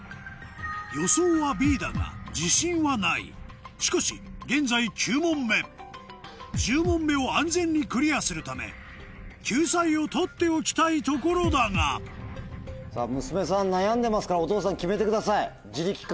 予想はＢだが自信はないしかし現在９問目１０問目を安全にクリアするため救済を取っておきたいところだが娘さん悩んでますから。